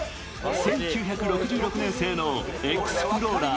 １９６６年製のエクスプローラー。